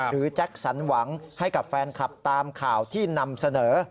แจ็คสันหวังให้กับแฟนคลับตามข่าวที่นำเสนอ